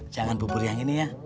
jangan bubur yang ini ya